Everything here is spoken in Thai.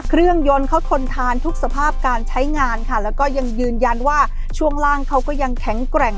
ยนต์เขาทนทานทุกสภาพการใช้งานค่ะแล้วก็ยังยืนยันว่าช่วงล่างเขาก็ยังแข็งแกร่ง